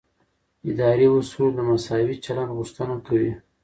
اداري اصول د مساوي چلند غوښتنه کوي.